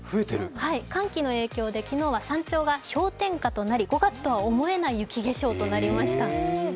寒気の影響で昨日は山頂が氷点下となり５月とは思えない雪化粧となりました。